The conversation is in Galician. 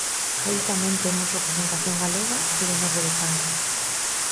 Aí tamén temos representación galega e de novo de Cangas.